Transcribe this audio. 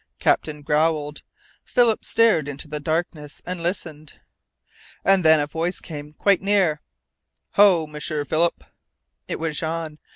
Captain growled. Philip stared out into the darkness and listened. And then a voice came, quite near: "Ho, M'sieur Philip!" It was Jean!